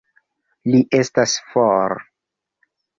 Li estas for.